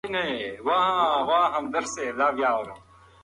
ناروغ باید له ډاکټر سره په اړیکه وي.